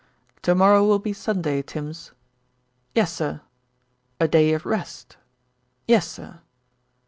"To morrow will be Sunday, Tims." "Yessir." "A day of rest." "Yessir!"